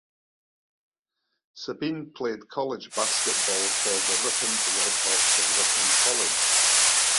Sabin played college basketball for the Ripon Red Hawks of Ripon College.